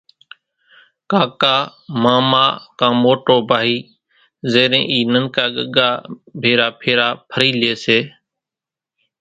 ڪاڪا، ماما ڪان موٽو ڀائي زيرين اِي ننڪا ڳڳا ڀيرا ڦيرا ڦري لئي سي۔